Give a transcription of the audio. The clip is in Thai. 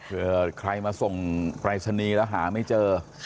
เผื่อใครมาส่งปรายศนีย์แล้วหาไม่เจอ